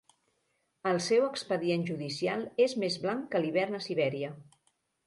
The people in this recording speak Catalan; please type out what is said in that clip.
El seu expedient judicial és més blanc que l'hivern a Sibèria.